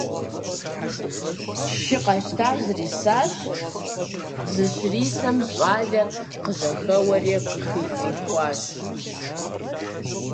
Шы къэщтам зрисащ, зыщрисэм щӏалэр къыжьэхэуэри къыхыфӀихуащ.